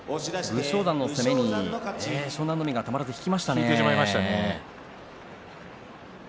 武将山の攻めに湘南乃海たまらず引いてしまいましたね。